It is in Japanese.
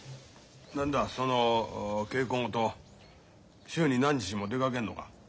何だその稽古事週に何日も出かけるのか？